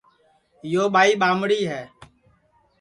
یو ٻائی ٻامڑی ہے